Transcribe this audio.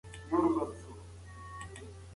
خدای پاک د خپلو بندګانو دعاګانې خوښوي.